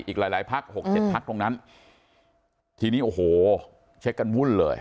อีกหลายภักดิ์๖๗ภักดิ์ตรงนั้นทีนี้โอ้โหเช็คกันวุ่นเลย